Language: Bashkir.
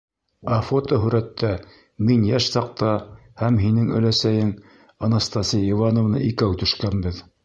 — Ә фотоһүрәттә мин йәш саҡта һәм һинең өләсәйең Анастасия Ивановна икәү төшкәнбеҙ.